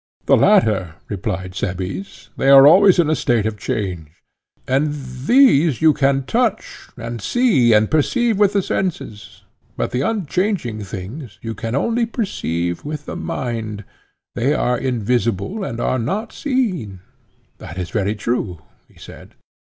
The latter, replied Cebes; they are always in a state of change. And these you can touch and see and perceive with the senses, but the unchanging things you can only perceive with the mind—they are invisible and are not seen? That is very true, he said.